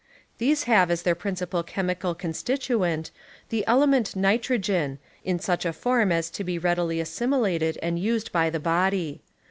These have as their j>rincipal chem ical constituent the element nitrogen in such a form as to be readily assimilated and used by the body.